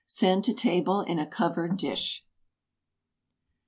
Send to table in a covered dish.